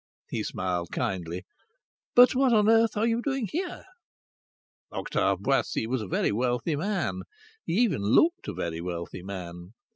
He smiled kindly. "But what on earth are you doing here?" Octave Boissy was a very wealthy man. He even looked a very wealthy man.